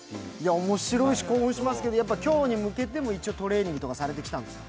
面白いし興奮しますけれども、今日に向けても一応トレーニングとかされてきたんですか？